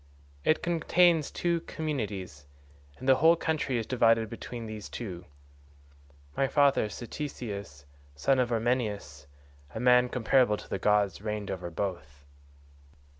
It contains two communities, and the whole country is divided between these two. My father Ctesius son of Ormenus, a man comparable to the gods, reigned over both.